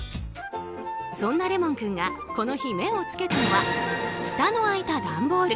そんなレモン君がこの日、目を付けたのはふたの開いた段ボール。